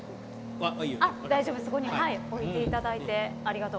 そこに置いていただいて。